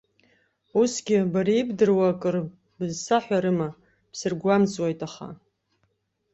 Усгьы, бара ибдыруа акыр бызсаҳәарыма, бсыргәамҵуеит аха?